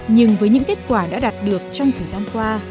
nhưng với những kết quả đã đạt được trong thời gian qua